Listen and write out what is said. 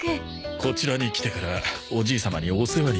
こちらに来てからおじい様にお世話になってます。